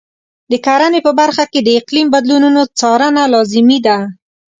د کرنې په برخه کې د اقلیم بدلونونو څارنه لازمي ده.